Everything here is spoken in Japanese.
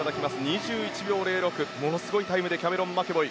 ２１秒０６ものすごいタイムでキャメロン・マケボイ